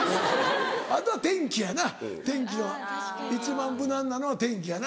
あとは天気やな一番無難なのは天気やな。